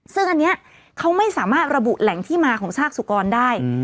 ซึ่งอันนี้เขาไม่สามารถระบุแหล่งที่มาของซากสุกรได้